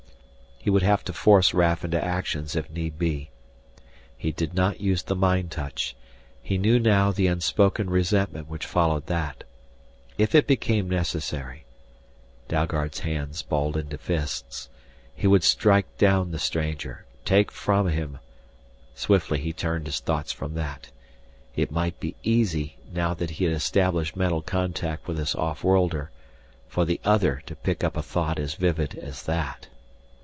He would have to force Raf into action if need be. He did not use the mind touch; he knew now the unspoken resentment which followed that. If it became necessary Dalgard's hands balled into fists he would strike down the stranger take from him Swiftly he turned his thoughts from that. It might be easy, now that he had established mental contact with this off worlder, for the other to pick up a thought as vivid as that.